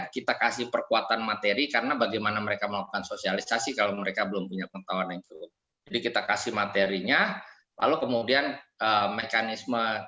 kita juga sangat terbatas